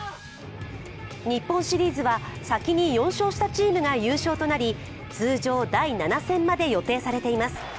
日本シリーズは先に４勝したチームが優勝となり、通常第７戦まで予定されています。